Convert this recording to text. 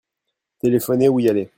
téléphoner ou y aller.